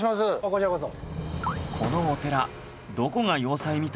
こちらこそ。